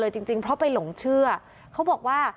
คุณประสิทธิ์ทราบรึเปล่าคะว่า